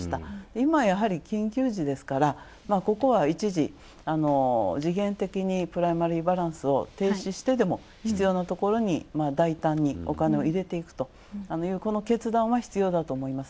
今やはり緊急ですからここは一時、次元的にプライマリーバランスを停止してでも必要なところに大胆にお金を入れていくとこの決断は必要だと思います。